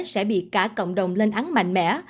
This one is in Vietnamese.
sẽ bị cả cộng đồng lên án mạnh mẽ